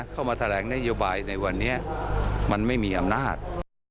เข้ามาแถลงนโยบายในวันนี้มันไม่มีอำนาจ